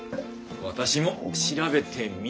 私も調べてみます！